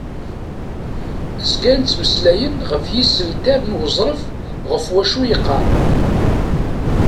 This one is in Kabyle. Zgan ttmeslayen ɣef yisental n uẓref ɣef wacu i yeqqar.